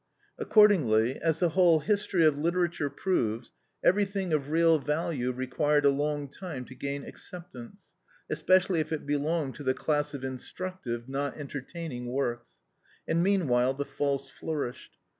Accordingly, as the whole history of literature proves, everything of real value required a long time to gain acceptance, especially if it belonged to the class of instructive, not entertaining, works; and meanwhile the false flourished.